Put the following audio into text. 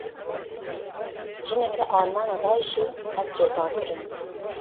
Jineke Alman a Daişî hat cezakirin.